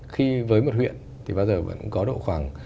khi với một huyện thì bao giờ vẫn có độ khoảng